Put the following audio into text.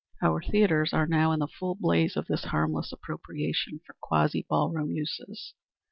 Our theatres are now in the full blaze of this harmless appropriation for quasi ballroom uses.